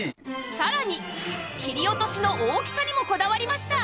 さらに切り落としの大きさにもこだわりました！